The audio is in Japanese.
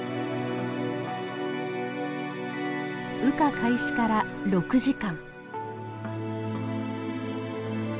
羽化開始から６時間。